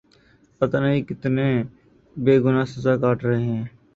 پتا نہیں کتنے بے گنا سزا کاٹ رہے ہیں